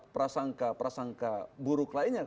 prasangka prasangka buruk lainnya